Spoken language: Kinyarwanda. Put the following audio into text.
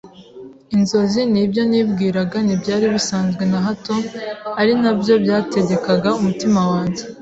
inzozi n’ibyo nibwiraga ntibyari bisanzwe na hato, ari na byo byategekaga umutima wanjye.